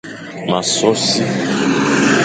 M a so si.